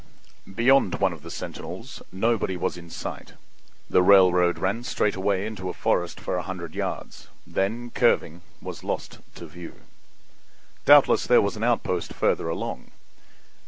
Beyond one of the sentinels nobody was in sight; the railroad ran straight away into a forest for a hundred yards, then, curving, was lost to view. Doubtless there was an outpost farther along.